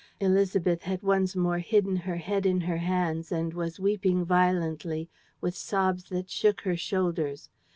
Élisabeth had once more hidden her head in her hands and was weeping violently with sobs that shook her shoulders.